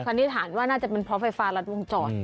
นิษฐานว่าน่าจะเป็นเพราะไฟฟ้ารัดวงจร